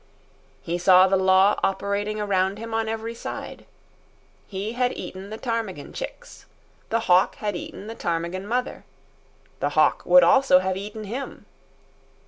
He saw the law operating around him on every side. He had eaten the ptarmigan chicks. The hawk had eaten the ptarmigan mother. The hawk would also have eaten him.